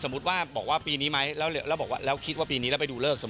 สมมุติว่าบอกว่าปีนี้ไหมแล้วคิดว่าปีนี้แล้วไปดูเลิก